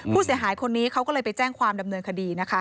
ผู้เสียหายคนนี้เขาก็เลยไปแจ้งความดำเนินคดีนะคะ